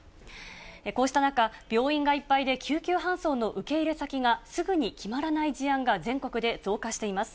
こうした中、病院がいっぱいで救急搬送の受け入れ先がすぐに決まらない事案が全国で増加しています。